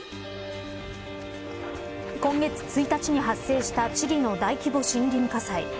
今月１日に発生したチリの大規模森林火災